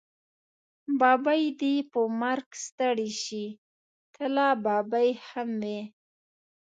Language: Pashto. ببۍ دې په مرګ ستړې شې، ته لا ببۍ هم وی.